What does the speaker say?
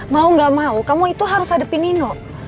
mau gak mau kamu itu harus hadapi nino